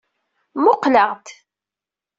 Muqqel-aɣ-d!